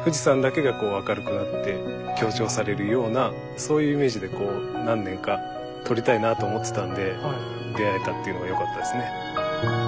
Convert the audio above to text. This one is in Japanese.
富士山だけが明るくなって強調されるようなそういうイメージで何年か撮りたいなと思ってたんで出会えたっていうのはよかったですね。